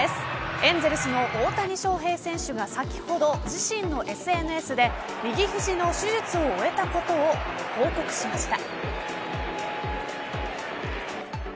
エンゼルスの大谷翔平選手が先ほど自身のＳＮＳで右肘の手術を終えたことを報告しました。